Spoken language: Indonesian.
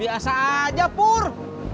biasa aja pur